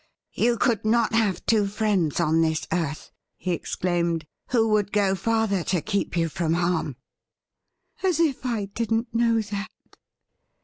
'You could not have two friends on this earth,' he ex claimed, 'who would go farther to keep you from harm.' ' As if I did not know that